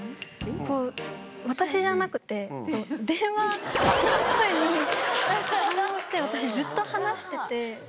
私じゃなくて電話の声に反応して私ずっと話してて。